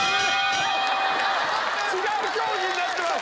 違う競技になってます！